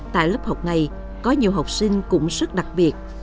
tại lớp học này có nhiều học sinh cũng rất đặc biệt